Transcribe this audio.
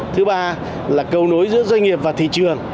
thứ ba là cầu nối giữa doanh nghiệp và thị trường